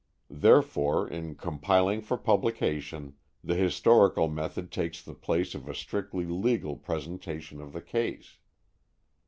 Therefore in compiling for publication, the historical method takes the place of a strictly legal presentation of the case.